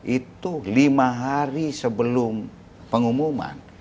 itu lima hari sebelum pengumuman